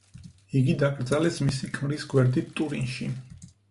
იგი დაკრძალეს მისი ქმრის გვერდით ტურინში.